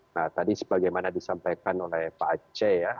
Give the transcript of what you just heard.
nah tadi sebagaimana disampaikan oleh pak aceh ya